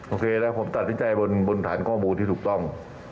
โอเคแล้วผมตัดสินใจบนฐานข้อมูลที่ถูกต้อง